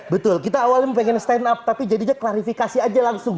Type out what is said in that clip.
betul kita awalnya pengen stand up tapi jadinya klarifikasi aja langsung